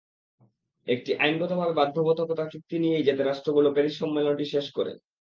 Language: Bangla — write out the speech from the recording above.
একটি আইনগতভাবে বাধ্যবাধকতা চুক্তি নিয়েই যাতে রাষ্ট্রগুলো প্যারিস সম্মেলনটি শেষ করে।